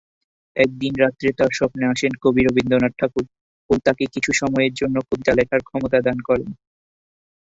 একদিন রাত্রে তার স্বপ্নে আসেন কবি রবীন্দ্রনাথ ঠাকুর ও তাকে কিছু সময়ের জন্য কবিতা লেখার ক্ষমতা দান করেন।